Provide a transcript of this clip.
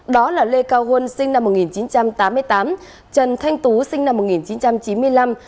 đó là lê cao huân sinh năm một nghìn chín trăm tám mươi tám trần thanh tú sinh năm một nghìn chín trăm chín mươi năm